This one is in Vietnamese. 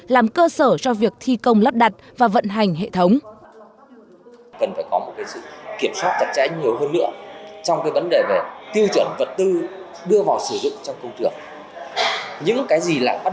làm cơ sở cho việc thi công lắp đặt và vận hành hệ thống